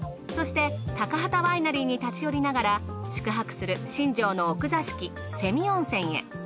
そして高畠ワイナリーに立ち寄りながら宿泊する新庄の奥座敷瀬見温泉へ。